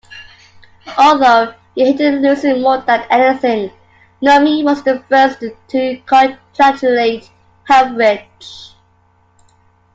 Although he hated losing more than anything, Nurmi was the first to congratulate Helffrich.